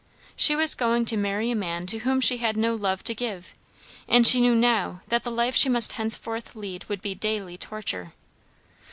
She was going to marry a man to whom she had no love to give; and she knew now that the life she must thenceforth lead would be daily torture.